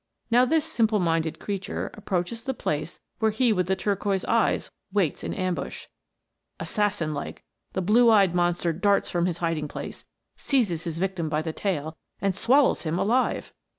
Now this simple minded creature approaches the place where he with the turquoise eyes waits in ambush. Assassin like, * The Black Goby. THE MERMAID'S HOME. 117 the blue eyed monster darts from his hiding place, seizes his victim by the tail, and swallows him alive